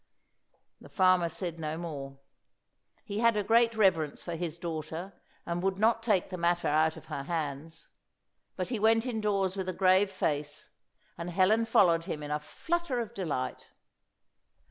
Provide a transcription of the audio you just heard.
The farmer said no more. He had a great reverence for his daughter, and would not take the matter out of her hands. But he went indoors with a grave face; and Helen followed him in a flutter of delight.